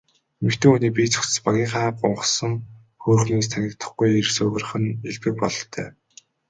Эмэгтэй хүний бие цогцос багынхаа гунхсан хөөрхнөөс танигдахгүй эрс хувирах нь элбэг бололтой.